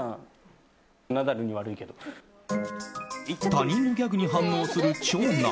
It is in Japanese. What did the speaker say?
他人のギャグに反応する長男。